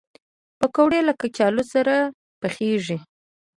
پکورې له کلچو سره پخېږي